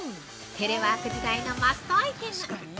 テレワーク時代のマストアイテム。